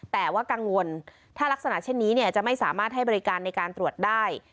แต่ว่ากังวลถ้ารักษณะเช่นนี้จะไม่สามารถให้บริการในการตรวจได้